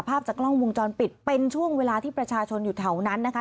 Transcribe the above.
ภาพจากกล้องวงจรปิดเป็นช่วงเวลาที่ประชาชนอยู่แถวนั้นนะคะ